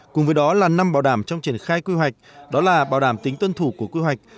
cùng với đó là năm bảo đảm trong triển khai quy hoạch đó là bảo đảm tính tuân thủ của quy hoạch